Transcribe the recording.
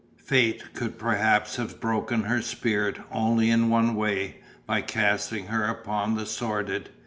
Fate could perhaps have broken her spirit only in one way, by casting her upon the sordid.